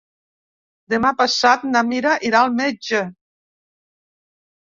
Demà passat na Mira irà al metge.